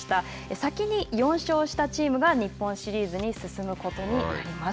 先に４勝したチームが日本シリーズに進むことになります。